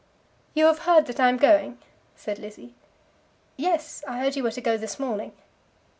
"You have heard that I am going?" said Lizzie. "Yes; I heard you were to go this morning."